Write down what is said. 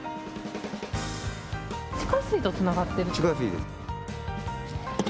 地下水とつながってる？